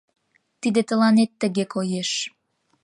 — Тиде тыланет тыге коеш.